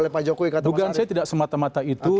bukan saya tidak semata mata itu